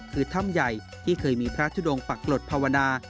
คือถ้ำใหญ่ที่เคยมีพระทุดงปักปลดภาวนา